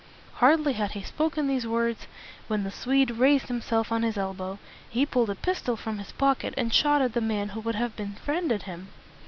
Hardly had he spoken these words, when the Swede raised himself on his elbow. He pulled a pistol from his pocket, and shot at the man who would have be friend ed him.